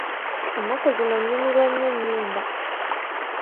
Ennaku zino nnyumirwa nnyo ennyimba.